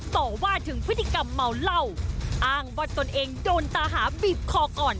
ต่อว่าถึงพฤติกรรมเมาเหล้าอ้างว่าตนเองโดนตาหาบีบคอก่อน